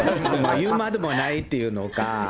言うまでもないというのか。